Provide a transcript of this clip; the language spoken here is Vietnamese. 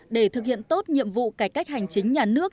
để thực hiện tốt nhiệm vụ cải cách hành chính nhà nước